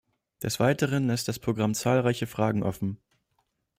Des Weiteren lässt das Programm zahlreiche Fragen offen.